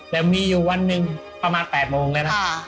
แต่มีอยู่วันหนึ่งประมาณ๘โมงแล้วนะ